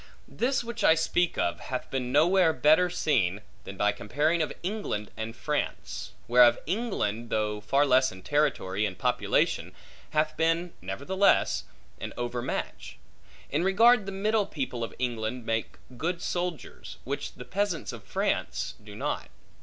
This which I speak of, hath been nowhere better seen, than by comparing of England and France; whereof England, though far less in territory and population, hath been (nevertheless) an overmatch; in regard the middle people of England make good soldiers, which the peasants of France do not.